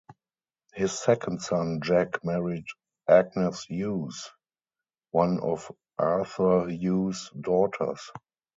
His second son, Jack, married Agnes Hughes, one of Arthur Hughes' daughters.